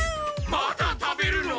まだ食べるの？